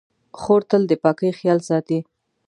خور تل د پاکۍ خیال ساتي.